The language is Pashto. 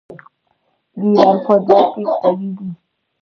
د ایران فوټبال ټیم قوي دی.